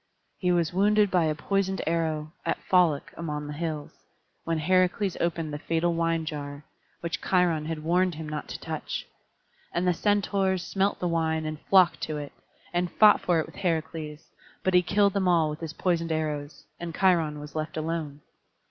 He was wounded by a poisoned arrow, at Pholoc among the hills, when Heracles opened the fatal wine jar, which Cheiron had warned him not to touch. And the Centaurs smelt the wine, and flocked to it, and fought for it with Heracles; but he killed them all with his poisoned arrows, and Cheiron was left alone.